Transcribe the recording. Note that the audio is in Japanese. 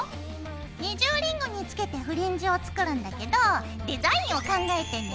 二重リングにつけてフリンジを作るんだけどデザインを考えてね。